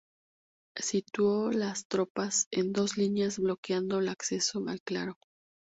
Situó las tropas en dos líneas bloqueando el acceso al claro.